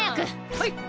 はい！